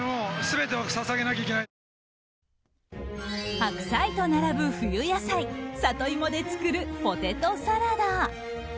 白菜と並ぶ冬野菜サトイモで作るポテトサラダ。